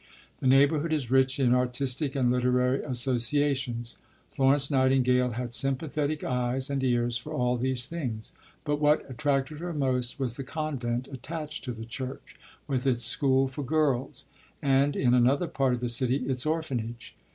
The neighbourhood is rich in artistic and literary associations. Florence Nightingale had sympathetic eyes and ears for all these things; but what attracted her most was the convent attached to the church, with its school for girls, and (in another part of the city) its orphanage.